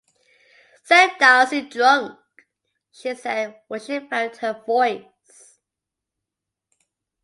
“Set Darcie drunk!” she said when she found her voice.